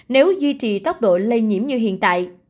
nếu duy trì tốc độ lây nhiễm như hiện tại